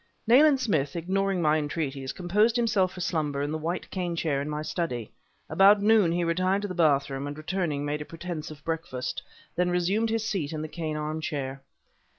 Nayland Smith, ignoring my entreaties, composed himself for slumber in the white cane chair in my study. About noon he retired to the bathroom, and returning, made a pretense of breakfast; then resumed his seat in the cane armchair.